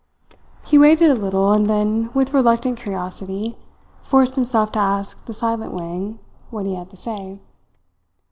He waited a little, and then, with reluctant curiosity, forced himself to ask the silent Wang what he had to say.